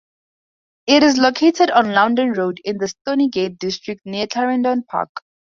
It is located on London Road in the Stoneygate district near Clarendon Park.